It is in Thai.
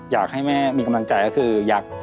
อยากให้แม่มีกำลังใจก็คืออยาก